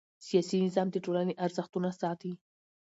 سیاسي نظام د ټولنې ارزښتونه ساتي